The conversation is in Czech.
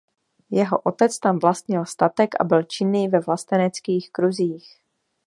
Jeho otec tam vlastnil statek a byl činný ve vlasteneckých kruzích.